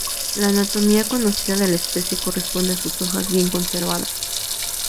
La anatomía conocida de la especie corresponde a sus hojas, bien conservadas.